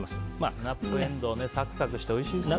スナップエンドウサクサクしておいしいですよね。